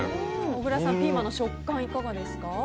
小倉さん、ピーマンの食感いかがですか？